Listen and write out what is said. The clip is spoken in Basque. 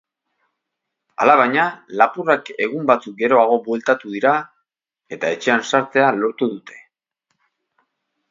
Alabaina, lapurrak egun batzuk geroago bueltatu dira eta etxean sartzea lortu dute.